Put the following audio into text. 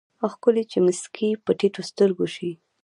ښکلے چې مسکې په ټيټو سترګو شي